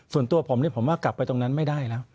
ส่วนตัวผมผมว่ากลับไปตรงนั้นไม่ได้แล้ว